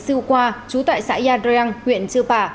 sưu qua chú tại xã yadreang huyện chư pà